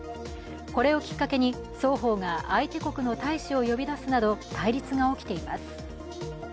これをきっかけに双方が相手国の大使を呼び出すなど対立が起きています。